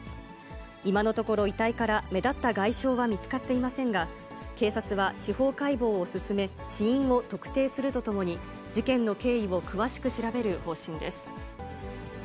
今のところ、遺体から目立った外傷は見つかっていませんが、警察は司法解剖を進め、死因を特定するとともに、事件の経緯を詳しく調べる方針です。